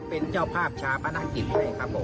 รับผิดชอบอยู่ที่หมู่ครับข้างหมู่บ้านนะครับ